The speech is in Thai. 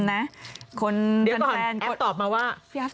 แอฟตอบมาว่า